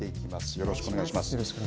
よろしくお願いします。